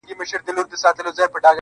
o يوه د ميني زنده گي راوړي.